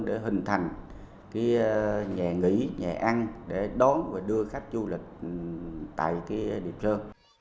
để hình thành cái nhà nghỉ nhà ăn để đón và đưa khách du lịch tại cái điệp sơn